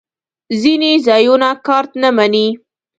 ځینې ځایونه کارت نه منی